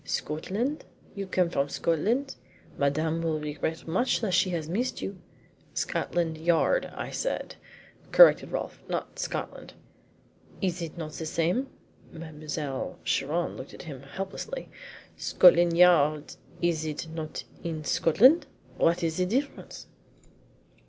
"Scotland? You come from Scotland? Madame will regret much that she has missed you." "Scotland Yard, I said," corrected Rolfe, "not Scotland." "Is it not the same?" Mademoiselle Chiron looked at him helplessly. "Scotland Yard is it not in Scotland? What is the difference?"